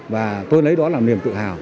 và tôi lấy đó là niềm tự hào